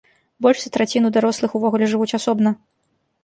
Больш за траціну дарослых увогуле жывуць асобна.